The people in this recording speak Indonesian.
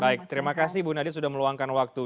baik terima kasih bu nadia sudah meluangkan waktu